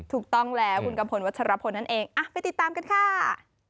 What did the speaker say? ถูกต้องแล้วคุณกัมพลวัชรพลนั่นเองไปติดตามกันค่ะ